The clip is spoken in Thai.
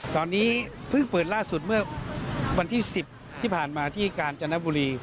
ตอนนี้เพิ่งเปิดล่าสุดเมื่อวันที่๑๐ที่ผ่านมาที่กาญจนบุรี